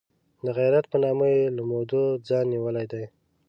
د غیرت په نامه یې له مودو ځان نیولی دی.